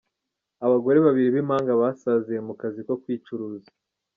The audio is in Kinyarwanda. Abagore babiri b’impanga basaziye mu kazi ko kwicuruza